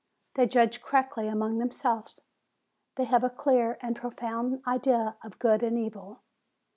They judge correctly among themselves. They have a clear and profound idea of good and evil.